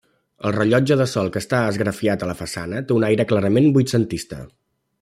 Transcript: El rellotge de sol que està esgrafiat a la façana té un aire clarament vuitcentista.